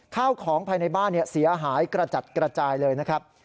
ข้าวของภายในบ้านเสียหายกระจัดกระจายเลยนะครับ